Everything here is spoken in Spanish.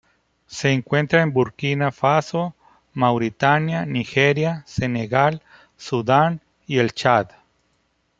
Se encuentra en Burkina Faso, Mauritania, Nigeria, Senegal, Sudán y el Chad.